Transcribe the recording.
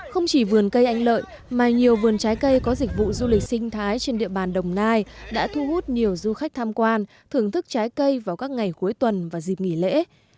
không chỉ vườn cây anh lợi mà nhiều vườn trái cây có dịch vụ du lịch sinh thái trên địa bàn đồng nai đã thu hút nhiều du khách tham quan thưởng thức trái cây vào các ngày cuối tuần và dịp nghỉ lễ